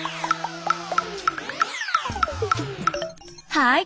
はい！